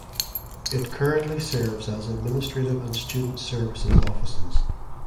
It currently serves as administrative and student services offices.